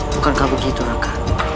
bukankah begitu raka